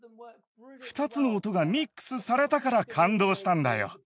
２つの音がミックスされたから、感動したんだよ。